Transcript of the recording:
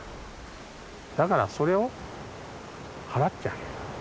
だからそれを祓ってあげる。